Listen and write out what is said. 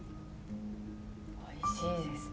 おいしいです。